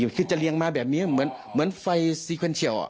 คือจะเลี่ยงมาแบบนี้เหมือนไฟเซคเพ็นเชียล